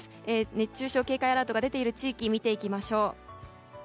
熱中症警戒アラートが出ている地域を見ていきましょう。